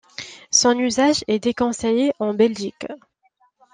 Son usage est déconseillé en Belgique.